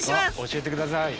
教えてください。